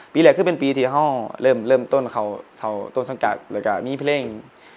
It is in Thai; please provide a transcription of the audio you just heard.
ปีแรกขี้เป็นปีที่เขาหมึ่งเบื่อที่ต้นสังกัดมีเพลง